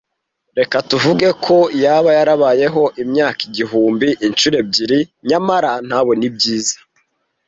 Reka tuvuge ko yaba yarabayeho imyaka igihumbi incuro ebyiri nyamara ntabone ibyiza